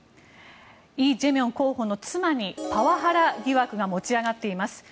イ・ジェミョン候補の妻にパワハラ疑惑が持ち上がっています。